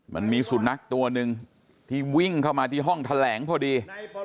มันมีสุนัขตัวหนึ่งที่วิ่งเข้ามาที่ห้องแถลงพอดี